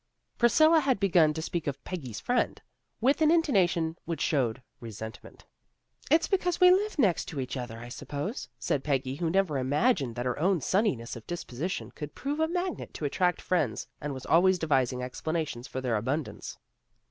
Priscilla had begun to speak of " Peggy's friend " with an intonation which showed re sentment. " It's because we live next to each other, I suppose," said Peggy, who never imagined that her own sunniness of disposition could prove a magnet to attract friends and was al ways devising explanations for their abundance.